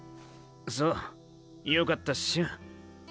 そうよかったショ。